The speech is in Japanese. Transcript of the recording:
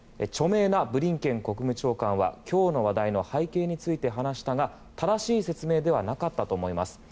著名なブリンケン国務長官は今日の話題の背景について話したが正しい説明ではなかったと思います。